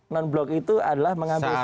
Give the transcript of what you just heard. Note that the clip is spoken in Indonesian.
non block itu adalah mengambil sikap